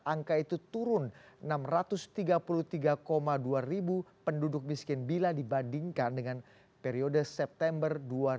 angka itu turun enam ratus tiga puluh tiga dua ribu penduduk miskin bila dibandingkan dengan periode september dua ribu dua puluh